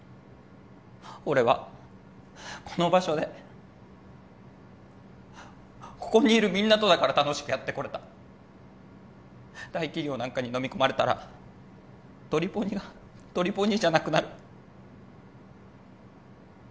俺はこの場所でここにいるみんなとだから楽しくやってこれた大企業なんかにのみ込まれたらドリポニがドリポニじゃなくなる